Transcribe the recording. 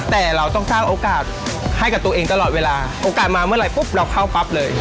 แต่เราต้องสร้างโอกาสให้กับตัวเองตลอดเวลาโอกาสมาเมื่อไหร่ปุ๊บเราเข้าปั๊บเลย